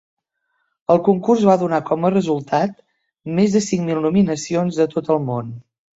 El concurs va donar com a resultat més de cinc mil nominacions de tot el món.